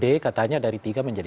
dpd katanya dari tiga menjadi sepuluh